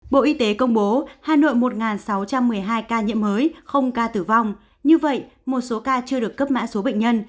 bộ y tế công bố hà nội một sáu trăm một mươi hai ca nhiễm mới không ca tử vong như vậy một số ca chưa được cấp mã số bệnh nhân